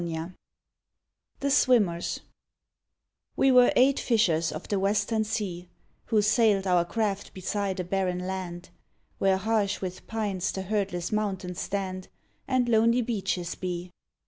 50 THE SWIMMERS We were eight fishers of the western sea, Who sailed our craft beside a barren land, Where harsh with pines the herdless mountains stand And lonely beaches be.